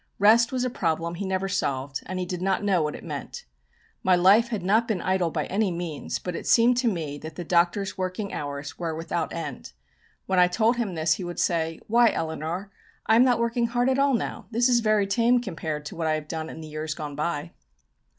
Rest was a problem he never solved, and he did not know what it meant. My life had not been idle by any means, but it seemed to me that the Doctor's working hours were without end. When I told him this, he would say: "Why, Eleanor, I am not working hard at all now. This is very tame compared to what I have done in the years gone by."